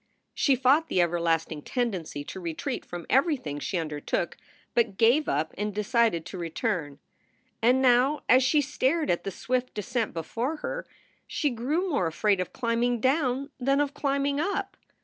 She fought the everlasting tendency to retreat from everything she undertook, but gave up and decided to return. And now, as she stared at the swift descent before her, she grew more afraid of climbing down than of climbing up.